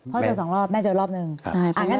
พ่อเจอ๒รอบแม่เจอรอบหนึ่ง